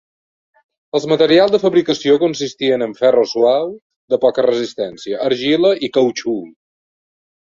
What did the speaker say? Els materials de fabricació consistien en ferro suau, de poca resistència, argila i cautxú.